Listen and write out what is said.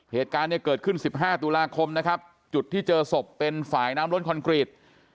เหตุการณ์เนี่ยเกิดขึ้น๑๕ตุลาคมนะครับจุดที่เจอศพเป็นฝ่ายน้ำล้นคอนกรีต